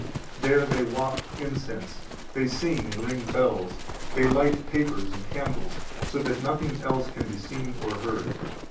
There they waft incense, they sing and ring bells, they light tapers and candles, so that nothing else can be seen or heard.